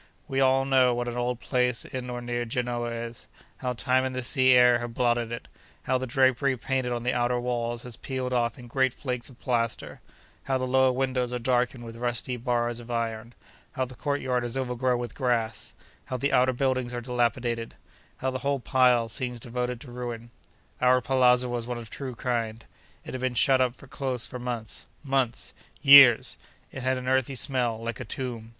We all know what an old palace in or near Genoa is—how time and the sea air have blotted it—how the drapery painted on the outer walls has peeled off in great flakes of plaster—how the lower windows are darkened with rusty bars of iron—how the courtyard is overgrown with grass—how the outer buildings are dilapidated—how the whole pile seems devoted to ruin. Our palazzo was one of the true kind. It had been shut up close for months. Months?—years!—it had an earthy smell, like a tomb.